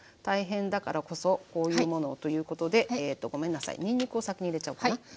大変だからこそこういうものをということでええとごめんなさいにんにくを先に入れちゃおうかな。